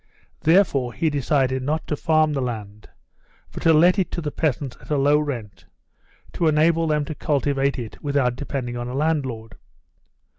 Therefore he decided not to farm the land, but to let it to the peasants at a low rent, to enable them to cultivate it without depending on a landlord.